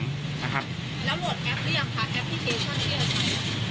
แล้วโหลดแอปหรือยังคะแอปที่มีเคลื่อนยังไง